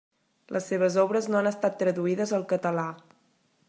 Les seves obres no han estat traduïdes al català.